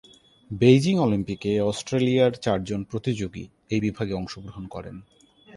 Beijing অলিম্পিকে অস্ট্রেলিয়ার চারজন প্রতিযোগী এই বিভাগে অংশগ্রহণ করেন।